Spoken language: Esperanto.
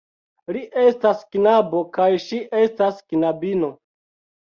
Li estas knabo, kaj ŝi estas knabino.